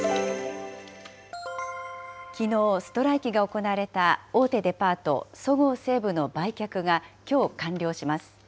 きのう、ストライキが行われた大手デパート、そごう・西武の売却が、きょう、完了します。